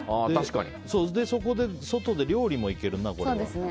外で料理もいけるな、これは。